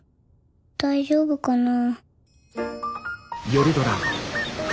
大丈夫かな。